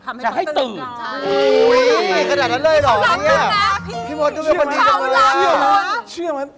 ทำให้คนตื่นก่อน